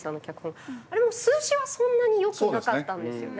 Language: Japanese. あれも数字はそんなによくなかったんですよね。